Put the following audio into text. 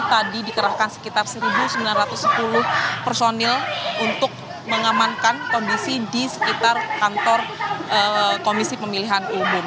tadi dikerahkan sekitar satu sembilan ratus sepuluh personil untuk mengamankan kondisi di sekitar kantor komisi pemilihan umum